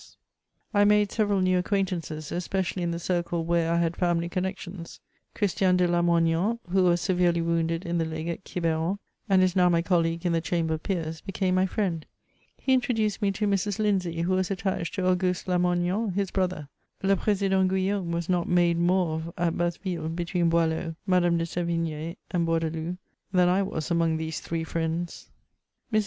402 MEMOIRS OF I made several new acquamtances, especially in the circle where I had family connexions : Christian de Lamoig^iKMi, who was sererely womided in the leg at Quiberon, and is now mj colleague in the Chamber of Peers, became my firiend. He introduced me to Mrs. Lindsavy who was attached to Aa giiste Lamoignon, his brother: le Prdsidetit Guillatune was not made more of at Basville between Boilean, Madame de Seyigne, and Bourdaloue, thim I was among these three friends. Mrs.